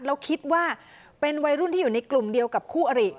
แล้วคิดว่าเป็นวัยรุ่นที่อยู่ในกลุ่มเดียวกับคู่อริ